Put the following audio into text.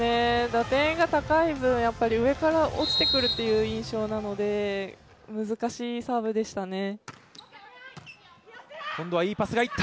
打点が高い分、上から落ちてくるという印象なので難しいサーブでしたね。